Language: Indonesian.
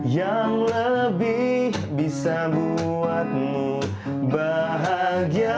yang lebih bisa buatmu bahagia